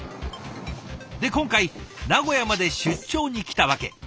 で今回名古屋まで出張に来た訳。